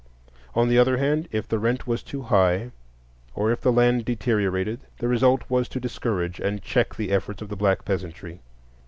On the other hand, if the rent was too high, or if the land deteriorated, the result was to discourage and check the efforts of the black peasantry.